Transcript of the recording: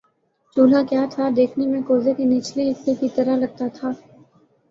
چولہا کیا تھا دیکھنے میں کوزے کے نچلے حصے کی طرح لگتا تھا